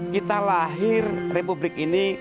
kita lahir republik ini